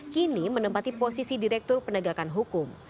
kini menempati posisi direktur penegakan hukum